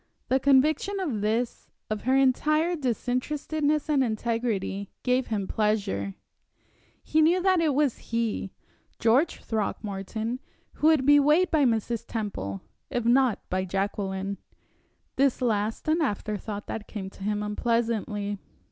The conviction of this, of her entire disinterestedness and integrity, gave him pleasure. He knew that it was he George Throckmorton who would be weighed by Mrs. Temple, if not by Jacqueline; this last an afterthought that came to him unpleasantly.